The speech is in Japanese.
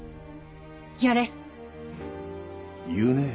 言うねぇ。